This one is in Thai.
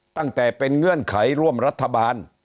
ตั้งแต่เป็นเงื่อนไขร่วมรัฐบาล